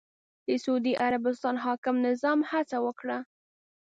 د سعودي عربستان حاکم نظام هڅه وکړه